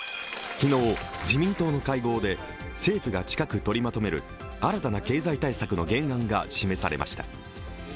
昨日、自民党の会合で政府が近く取りまとめる新たな経済対策の原案が示されました。